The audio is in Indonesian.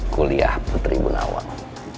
kuliah petri bunawang